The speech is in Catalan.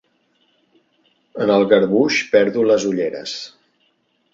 En el garbuix perdo les ulleres.